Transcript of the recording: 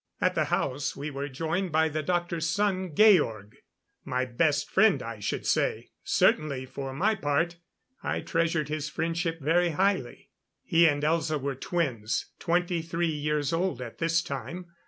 At the house we were joined by the doctor's son, Georg. My best friend, I should say; certainly, for my part, I treasured his friendship very highly. He and Elza were twins twenty three years old at this time.